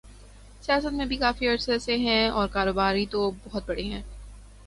سیاست میں بھی کافی عرصے سے ہیں اور کاروباری تو بہت بڑے ہیں۔